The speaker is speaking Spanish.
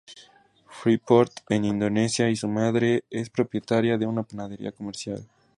Freeport de Indonesia y su madre es propietaria de una panadería comercial.